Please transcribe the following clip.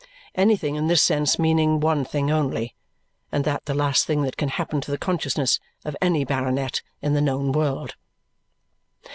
Anything, in this sense, meaning one thing only; and that the last thing that can happen to the consciousness of any baronet in the known world.